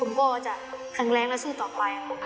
ผมก็จะแข็งแรงและสู้ต่อไปครับผม